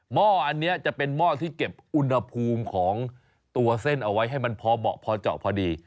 ห้ออันนี้จะเป็นหม้อที่เก็บอุณหภูมิของตัวเส้นเอาไว้ให้มันพอเหมาะพอเจาะพอดี